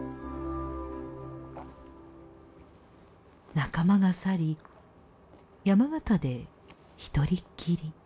仲間が去り山形で一人っきり。